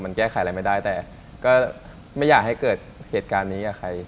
มันแก้ไขอะไรไม่ได้แต่ก็ไม่อยากให้เกิดเหตุการณ์นี้กับใคร